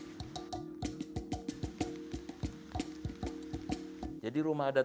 pesona rumah adat ini dikenal sebagai rumahnya para raja